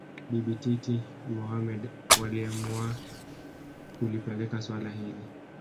Bibi Titi Mohamed waliamua kulipeleka suala hili